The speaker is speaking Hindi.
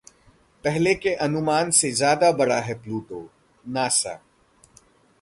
पहले के अनुमान से ज्यादा बड़ा है प्लूटो: नासा